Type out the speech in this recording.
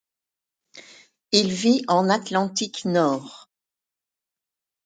Il vit en Atlantique nord.